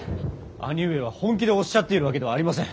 兄上は本気でおっしゃっているわけではありません。